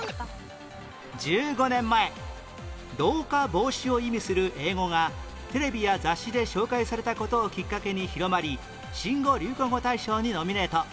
１５年前老化防止を意味する英語がテレビや雑誌で紹介された事をきっかけに広まり新語・流行語大賞にノミネート